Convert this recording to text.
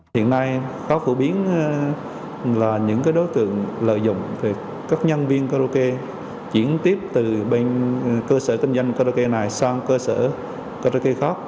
hiện nay khá phổ biến là những đối tượng lợi dụng các nhân viên karaoke chuyển tiếp từ bên cơ sở kinh doanh karaoke này sang cơ sở karaoke khác